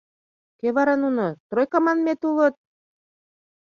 Кӧ вара нуно, «тройка» манмет, улыт?